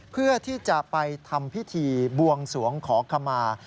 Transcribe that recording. เพื่อที่จะไปทำพิธีบวงสวงขอขมา